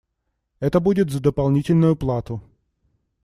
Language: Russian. Это будет за дополнительную плату.